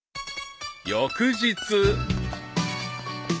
［翌日］